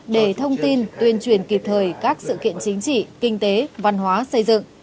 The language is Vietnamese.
để thông tin tuyên truyền kịp thời các sự kiện chính trị kinh tế văn hóa xây dựng